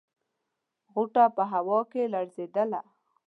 غوټه په هوا کې لړزېدله.